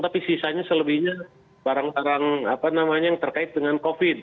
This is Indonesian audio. tapi sisanya selebihnya barang barang apa namanya yang terkait dengan covid